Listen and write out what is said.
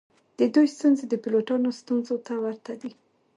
د دوی ستونزې د پیلوټانو ستونزو ته ورته دي